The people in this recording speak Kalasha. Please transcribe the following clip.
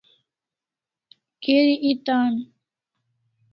Geri eta an